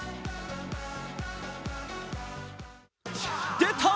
出た！